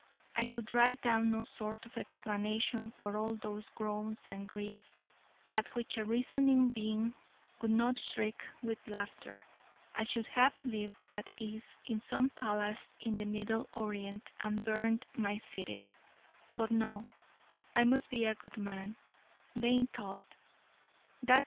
I could write down no sort of explanation for all those groans and griefs, at which a reasoning being would not shriek with laughter. I should have lived at ease in some palace of the Middle Orient, and burned my cities: but no, I must be 'a good man' vain thought.